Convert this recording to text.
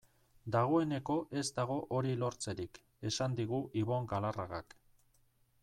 Dagoeneko ez dago hori lortzerik, esan digu Ibon Galarragak.